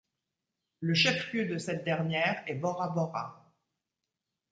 Le chef-lieu de cette dernière est Bora-Bora.